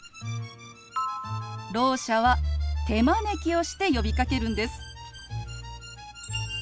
ろう者は手招きをして呼びかけるんです。